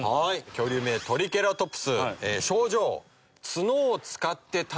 恐竜名トリケラトプス。